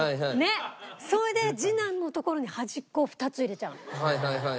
それで次男のところに端っこを２つ入れちゃうの。